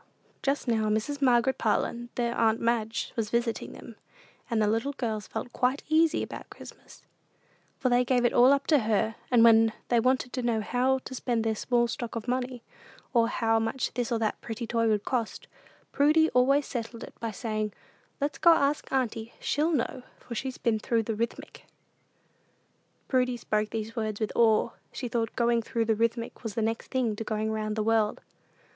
Just now Mrs. Margaret Parlin, their "aunt Madge," was visiting them, and the little girls felt quite easy about Christmas, for they gave it all up to her; and when they wanted to know how to spend their small stock of money, or how much this or that pretty toy would cost, Prudy always settled it by saying, "Let's go ask auntie: she'll know, for she's been through the Rithmetic." Prudy spoke these words with awe. She thought "going through the Rithmetic" was next thing to going round the world.